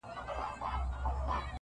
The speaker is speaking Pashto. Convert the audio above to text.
نجلۍ پر سر دي منګی مات سه!!